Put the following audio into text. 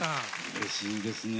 うれしいですね。